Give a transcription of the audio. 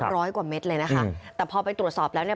ร้อยกว่าเม็ดเลยนะคะแต่พอไปตรวจสอบแล้วเนี่ย